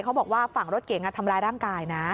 เขาบอกว่าฝั่งรถเก๋งทำร้ายร่างกายนะ